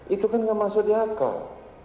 itu kan nggak masuk di akal